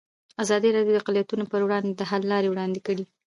ازادي راډیو د اقلیتونه پر وړاندې د حل لارې وړاندې کړي.